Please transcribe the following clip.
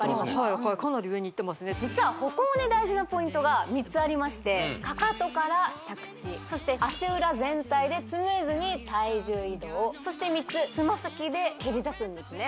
はいかなり上にいってますね実は歩行で大事なポイントが３つありましてかかとから着地そして足裏全体でスムーズに体重移動そして３つつま先で蹴り出すんですね